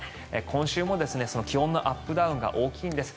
今週も気温のアップダウンが大きいんです。